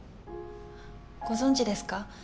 ご存じですか？